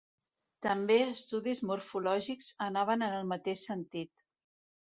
També estudis morfològics anaven en el mateix sentit.